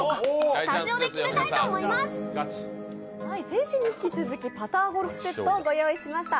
先週に引き続きパターゴルフセットを用意しました。